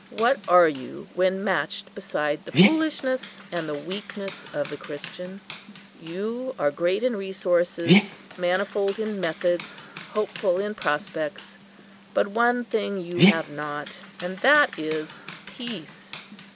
what are you when matched beside the foolishness and the weakness of the Christian? You are great in resources, manifold in methods, hopeful in prospects; but one thing you have not,—and that is peace.